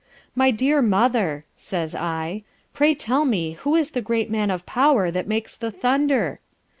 My dear mother says I, pray tell me who is the great Man of Power that makes the thunder?